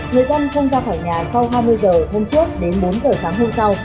người dân không ra khỏi nhà sau hai mươi giờ hôm trước đến bốn h sáng hôm sau